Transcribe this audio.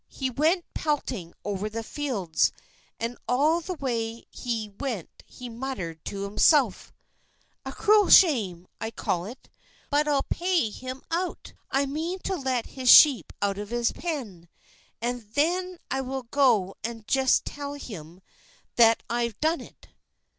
He went pelting over the fields, and all the way he went he muttered to himself: "A cruel shame I call it, but I'll pay him out; I mean to let his sheep out of the pen, and then I will just go and tell him that I've done it."